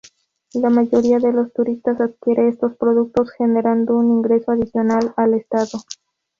La mayoría de los turistas adquiere estos productos, generando un ingreso adicional al estado.